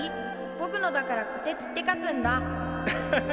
ぼくのだからこてつって書くんだ。